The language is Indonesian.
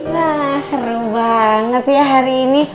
wah seru banget ya hari ini